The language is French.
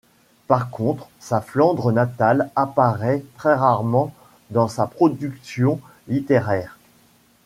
Par contre, sa Flandre natale apparaît très rarement dans sa production littéraire.